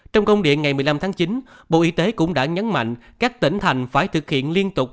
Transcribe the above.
trong công điện ngày một mươi năm tháng chín bộ y tế cũng đã nhấn mạnh các tỉnh thành phải thực hiện liên tục